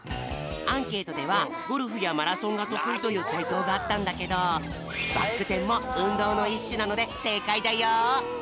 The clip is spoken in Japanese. アンケートではゴルフやマラソンがとくいというかいとうだったんだけどバックてんもうんどうのいっしゅなのでせいかいだよ！